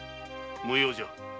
無用じゃ。